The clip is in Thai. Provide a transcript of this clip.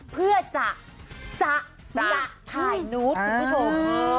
เพื่อจะถ่ายนูธคุณผู้ชม